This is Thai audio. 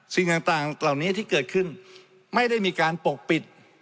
สิ่งต่างเหล่านี้ที่เกิดขึ้นไม่ได้มีการปกปิด